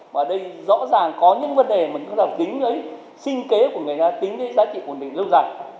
và đây rõ ràng có những vấn đề mà chúng ta tính với sinh kế của người ta tính với giá trị ổn định lâu dài